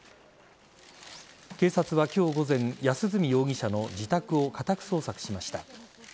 警察は、今日午前安栖容疑者の自宅を家宅捜索しました。